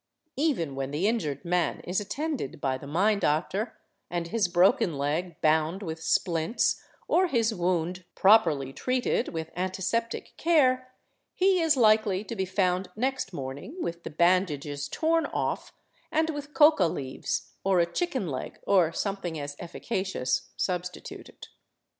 Even when the injured man is attended by the mine doctor, and his broken leg bound with splints or his wound properly treated with antiseptic care, he is likely to be found next morning with the bandages torn off, and with coca leaves, or a chicken leg, or something as efficacious substituted.